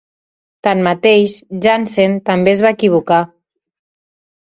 Tanmateix, Jensen també es va equivocar.